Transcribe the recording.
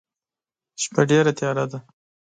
شپه ډيره تیاره ده.